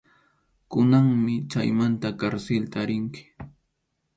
Kunanmi chaymanta karsilta rinki.